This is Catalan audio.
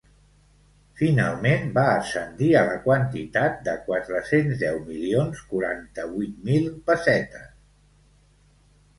Finalment va ascendir a la quantitat de quatre-cents deu milions quaranta-vuit mil pessetes.